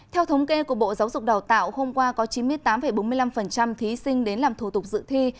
theo thống kê của bộ giáo dục đào tạo hôm qua có chín mươi tám bốn mươi năm thí sinh đến làm thủ tục dự thi